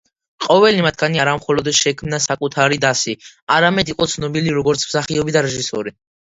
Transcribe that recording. ყოველი მათგანი არა მხოლოდ შექმნა საკუთარი დასი, არამედ იყო ცნობილი, როგორც მსახიობი და რეჟისორი.